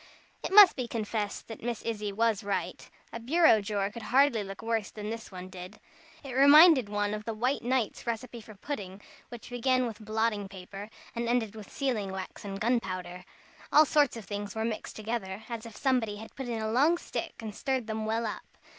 It must be confessed that Miss Izzie was right. A bureau drawer could hardly look worse than this one did. It reminded one of the White Knight's recipe for a pudding, which began with blotting paper, and ended with sealing wax and gunpowder. All sorts of things were mixed together, as if somebody had put in a long stick and stirred them well up.